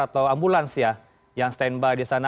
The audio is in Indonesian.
atau ambulans ya yang standby di sana